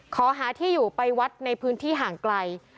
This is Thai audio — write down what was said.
ขอหาที่อยู่ไปวัดในพื้นที่ห่างไกล